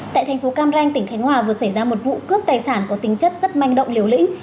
tại thành phố cam ranh tỉnh khánh hòa vừa xảy ra một vụ cướp tài sản có tính chất rất manh động liều lĩnh